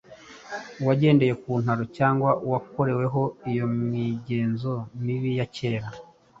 uwagendeye ku ntaro cyangwa uwakoreweho iyo migenzo mibi yakera.